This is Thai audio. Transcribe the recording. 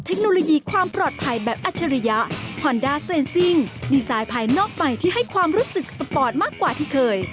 ทำรู้สึกสปอร์ตมากกว่าที่เคย